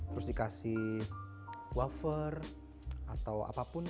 terus dikasih wafer atau apapun